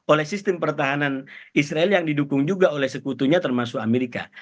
oleh sistem pertahanan israel yang didukung juga oleh sekutunya termasuk amerika